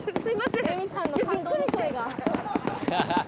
エミさんの感動の声が。